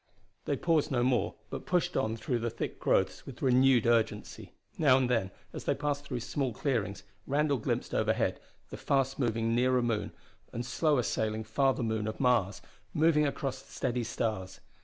They paused no more, but pushed on through the thick growths with renewed urgency. Now and then, as they passed through small clearings, Randall glimpsed overhead the fast moving nearer moon and slower sailing farther moon of Mars, moving across the steady stars.